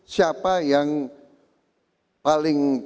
siapa yang paling berpengalaman